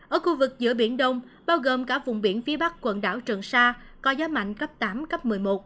ở khu vực giữa biển đông bao gồm cả vùng biển phía bắc quần đảo trường sa có gió mạnh cấp tám cấp một mươi một